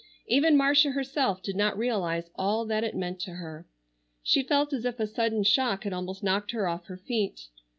Even Marcia herself did not realize all that it meant to her. She felt as if a sudden shock had almost knocked her off her feet.